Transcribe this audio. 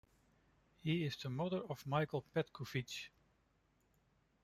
He is the brother of Michael Petkovic.